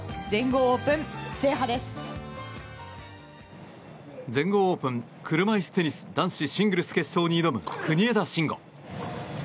全豪オープン、車いすテニス男子シングルス決勝に挑む国枝慎吾。